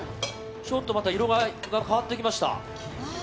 ちょっとまた色合いが変わってきました。